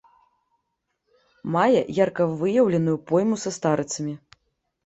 Мае ярка выяўленую пойму са старыцамі.